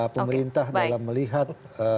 pemerintah dalam melihat